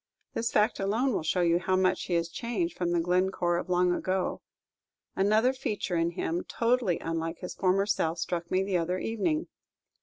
This fact alone will show you how much he is changed from the Glencore of long ago. Another feature in him, totally unlike his former self, struck me the other evening.